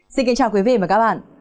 xin kính chào quý vị và các bạn